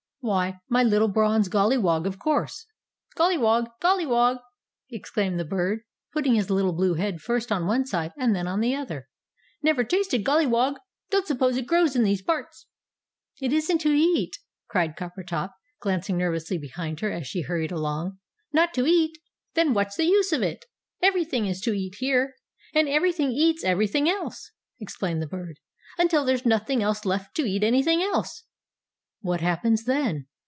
"Why, my little bronze Golliwog, of course." "Golliwog! Golliwog!" exclaimed the Bird, putting his little blue head first on one side and then on the other. "Never tasted Golliwog! Don't suppose it grows in these parts." "It isn't to eat!" cried Coppertop, glancing nervously behind her as she hurried along. "Not to EAT! Then what's the use of it? Everything is to eat here, and everything eats everything else," explained the Bird, "until there's nothing else left to eat anything else!" "What happens then?"